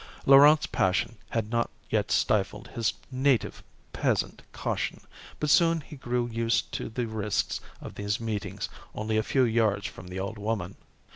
Laurent's passion had not yet stifled his native peasant caution, but soon he grew used to the risks of these meetings, only a few yards from the old woman.